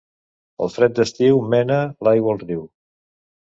El fred d'estiu mena l'aigua al riu.